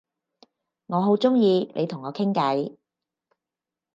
我好鍾意你同我傾偈